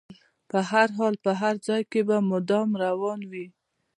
په هر حال او هر ځای کې به مدام روان وي.